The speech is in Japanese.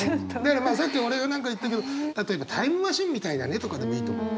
さっき俺が何か言ったけど例えば「タイムマシーンみたいだね」とかでもいいと思う。